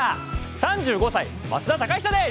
３５歳、増田貴久です。